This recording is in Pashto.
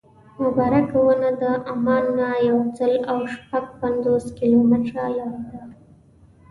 مبارکه ونه د عمان نه یو سل او شپږ پنځوس کیلومتره لرې ده.